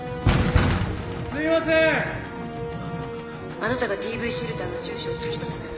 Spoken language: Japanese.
あなたがＤＶシェルターの住所を突き止めたの？